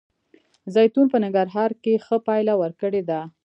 زیتون په ننګرهار کې ښه پایله ورکړې ده